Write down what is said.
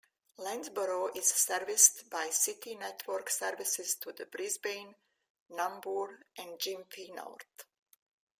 Landsborough is serviced by City network services to Brisbane, Nambour and Gympie North.